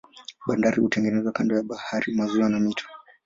Bandari hutengenezwa kando ya bahari, maziwa au mito.